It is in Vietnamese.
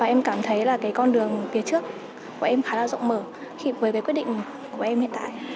em cảm thấy là cái con đường phía trước của em khá là rộng mở khi với cái quyết định của em hiện tại